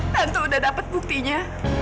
tante udah dapet buktinya